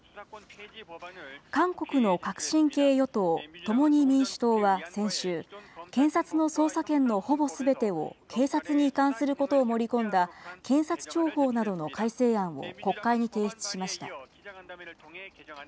韓国の革新系与党・共に民主党は先週、検察の捜査権のほぼすべてを警察に移管することを盛り込んだ、検察庁法などの改正案を国会に提出しました。